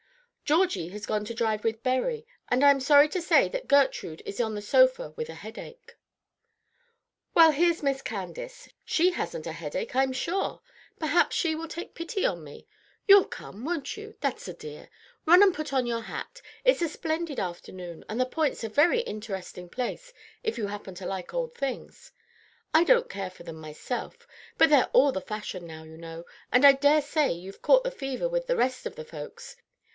"Georgie has gone to drive with Berry, and I am sorry to say that Gertrude is on the sofa with a headache." "Well, here's Miss Candace; she hasn't a headache, I'm sure: perhaps she will take pity on me. You'll come, won't you? that's a dear. Run and put on your hat. It's a splendid afternoon, and the Point's a very interesting place if you happen to like old things. I don't care for them myself; but they're all the fashion now, you know, and I dare say you've caught the fever with the rest of the folks.